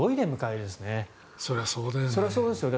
そりゃそうだよね。